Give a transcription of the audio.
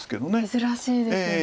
珍しいですよね。